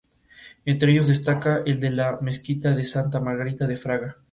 Entre ellos destaca el de la Mezquita de Santa Margarita de Fraga.